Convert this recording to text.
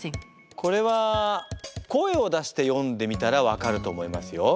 これは声を出して読んでみたら分かると思いますよ。